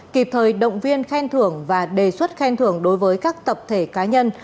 kịp thời động viên khen thưởng và đề xuất khen thưởng đối với các tập thể cá nhân